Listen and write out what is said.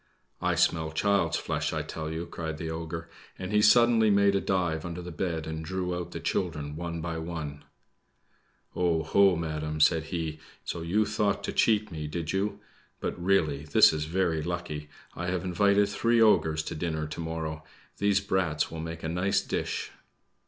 "I smell child's flesh, I tell you!" cried the ogre, and he suddenly made a dive under the bed, and drew out the children one by one. "Oh, ho, madam!" said he; "so you thought to cheat me, did you? But, really, this is very lucky! I have invited three ogres to dinner to morrow; these brats will make a nice dish."